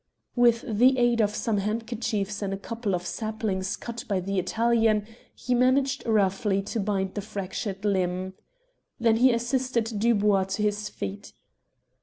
With the aid of some handkerchiefs and a couple of saplings cut by the Italian he managed roughly to bind the fractured limb. Then he assisted Dubois to his feet.